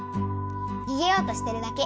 にげようとしてるだけ。